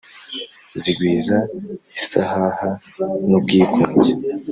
Zigwiza isahaha nubwigunge